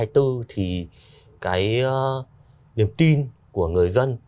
thì cái niềm tin của người dân